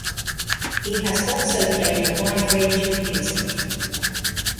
He has also played a wide range of music.